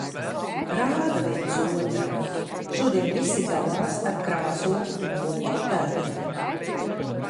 Rāda viens otram. Šodien visi dalās ar krāsotu olu attēliem.